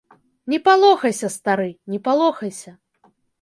Не палохайся, стары, не палохайся.